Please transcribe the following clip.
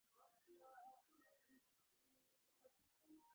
French sportswear brand Le Coq Sportif was the kit manufacturer.